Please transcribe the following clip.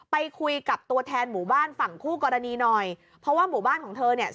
ไปคุยกับตัวแทนหมู่บ้านฝั่งคู่กรณีหน่อยเพราะว่าหมู่บ้านของเธอเนี่ย